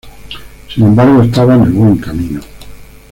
Sin embargo, estaba en el buen camino.